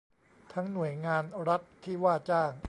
ทั้งหน่วยงานรัฐที่ว่าจ้าง